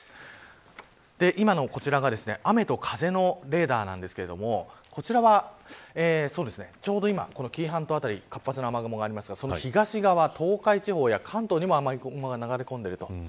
今のこちらが雨と風のレーダーなんですがちょうど今、紀伊半島辺りに活発な雨雲がありますがその東側、東海地方や関東にも雨雲が流れ込んでいると。